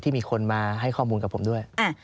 มีคนมาให้ข้อมูลกับผมด้วย